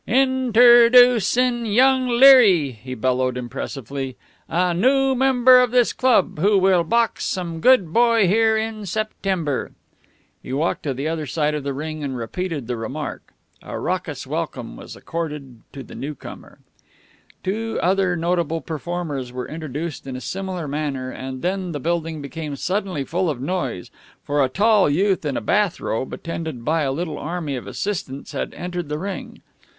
"In ter doo cin' Young Leary," he bellowed impressively, "a noo member of this club, who will box some good boy here in September." He walked to the other side of the ring and repeated the remark. A raucous welcome was accorded to the new member. Two other notable performers were introduced in a similar manner, and then the building became suddenly full of noise, for a tall youth in a bath robe, attended by a little army of assistants, had entered the ring.